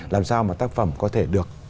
làm sao mà tác phẩm có thể được